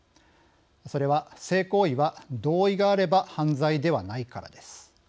それは性行為は同意があれば犯罪ではないからです。